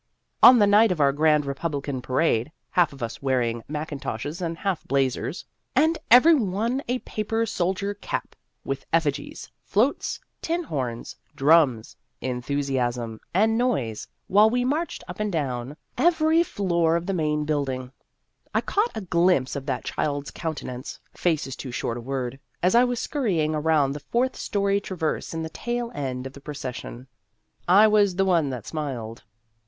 On the night of our grand Republican parade (half of us wearing mackintoshes and half blazers, and every one a paper soldier cap, with effigies, floats, tin horns, drums, enthusiasm, and noise, while we marched up and down every floor of the Main Building), I caught a glimpse of that child's countenance (face is too short a word) as I was scurrying around the fourth story traverse in the tail end of the pro cession. I was the one that smiled.